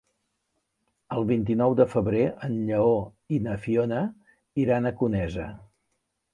El vint-i-nou de febrer en Lleó i na Fiona iran a Conesa.